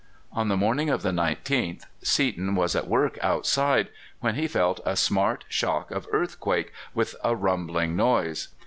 On the morning of the 19th Seaton was at work outside when he felt a smart shock of earthquake, with a rumbling noise.